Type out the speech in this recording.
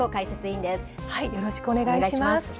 よろしくお願いします。